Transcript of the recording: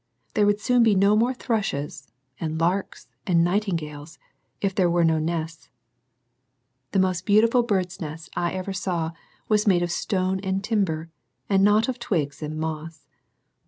There would soon be no more thrushes, and larks, and nightingales, if there were no nests. The most beautiful Bird's Nest I ever saw was made of stone and timber, and not of twigs and moss.